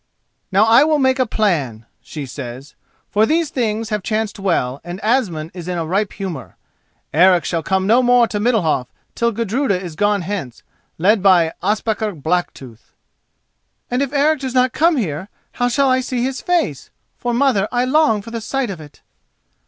"Now I will make a plan," she says, "for these things have chanced well and Asmund is in a ripe humour. Eric shall come no more to Middalhof till Gudruda is gone hence, led by Ospakar Blacktooth." "And if Eric does not come here, how shall I see his face? for, mother, I long for the sight of it."